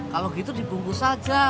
kalau gitu dibungkus aja